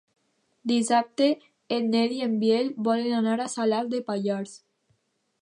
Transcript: Dissabte en Nel i en Biel volen anar a Salàs de Pallars.